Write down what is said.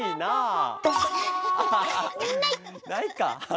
ないか。